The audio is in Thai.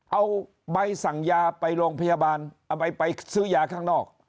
เอาใบสั่งยาไปโรงพยาบาลเอาไปซื้อยาข้างนอก